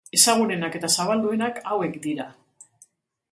Ezagunenak eta zabalduenak hauek dira.